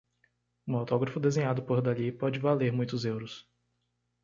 Um autógrafo desenhado por Dalí pode valer muitos euros.